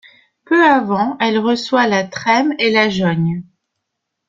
Peu avant, elle reçoit la Trême et la Jogne.